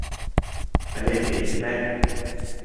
我睇你點叻